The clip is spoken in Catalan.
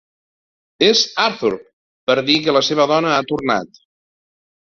És Arthur, per dir que la seva dona ha tornat.